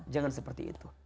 jangan seperti itu